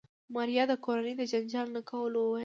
ماريا د کورنۍ د جنجال نه کولو وويل.